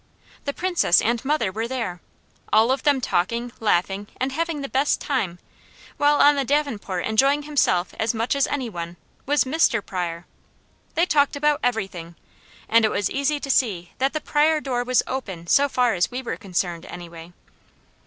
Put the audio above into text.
The Princess and mother were there, all of them talking, laughing and having the best time, while on the davenport enjoying himself as much as any one, was Mr. Pryor. They talked about everything, and it was easy to see that the Pryor door was OPEN so far as we were concerned, anyway.